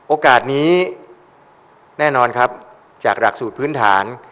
โอกาสนี้แน่นอนครับจากหลักสูตรพื้นฐาน